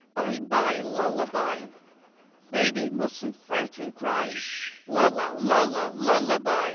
Bye, bye, lullaby; Baby mustn't fret and cry; Lulla, lulla, lullaby.